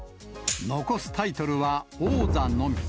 残すタイトルは王座のみ。